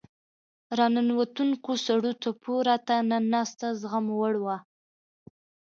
راننوتونکو سړو څپو راته نه ناسته زغموړ وه.